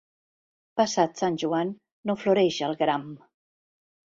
Passat Sant Joan, no floreix el gram.